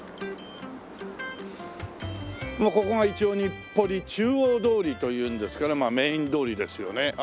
ここが一応日暮里中央通りというんですからメイン通りですよね。